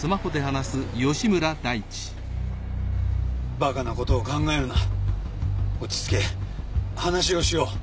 ばかなことを考えるな落ち着け話をしよう